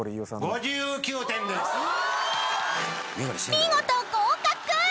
［見事合格！］